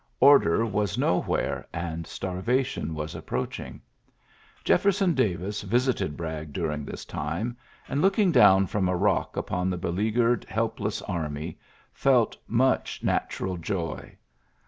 Order was nowhere and starvation was approaching. Jeffei son Davis visited Bragg during this time and, looking down from a rock upon th beleaguered, helpless army, felt muc natural joy.